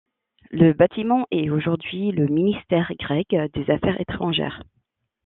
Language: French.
Le bâtiment est aujourd'hui le ministère grec des affaires étrangères.